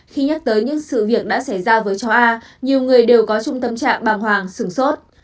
khi nhắc tới những sự việc đã xảy ra với cháu a nhiều người đều có trung tâm trạng bà hoàng sừng sốt